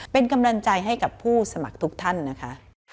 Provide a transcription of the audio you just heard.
เป็นกำลังใจให้กับผู้สมัครทุกท่านนะคะ